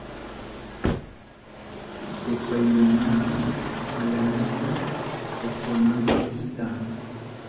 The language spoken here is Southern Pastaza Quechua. ¿Atipaynimachu pallanata kokonaykita?